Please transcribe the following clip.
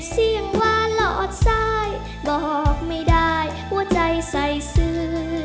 เสียงหวานหลอดซ้ายบอกไม่ได้หัวใจใส่ซื้อ